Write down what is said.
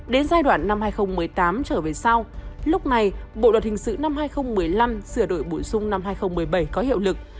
đến giai đoạn năm hai nghìn một mươi tám trở về sau lúc này bộ luật hình sự năm hai nghìn một mươi năm sửa đổi bổ sung năm hai nghìn một mươi bảy có hiệu lực